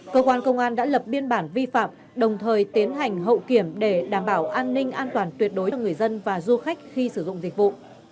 cơ quan công an đã lập biên bản vi phạm đồng thời tiến hành hậu kiểm để đảm bảo an ninh an toàn tuyệt đối cho người dân và du khách khi sử dụng dịch vụ